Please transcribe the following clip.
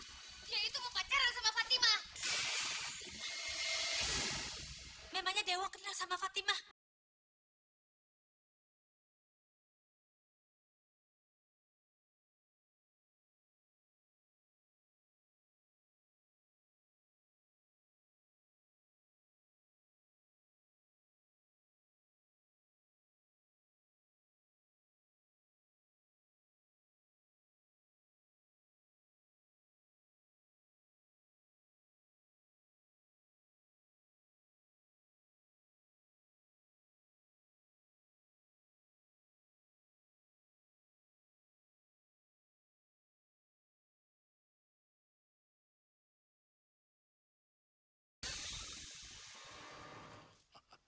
dia itu merakar sama fatima